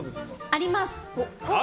あります！